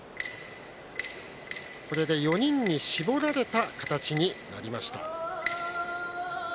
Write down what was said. これで４人に絞られた形になりました。